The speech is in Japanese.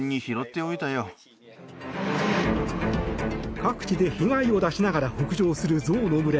各地で被害を出しながら北上するゾウの群れ。